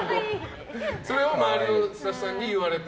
それを周りのスタッフさんに言われて。